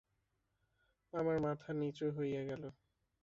আমার মাথা নিচু হইয়া গেল।